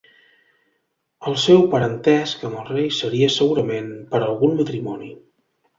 El seu parentesc amb el rei seria segurament per algun matrimoni.